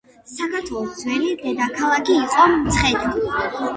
საქართველოს ძველი დედაქალაქი იყო მცხეთა